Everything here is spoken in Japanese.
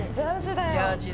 ジャージだ。